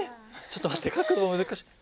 ちょっと待って角度難しい。